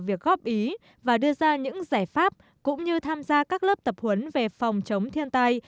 việc góp ý và đưa ra những giải pháp cũng như tham gia các lớp tập huấn về phòng chống thiên tai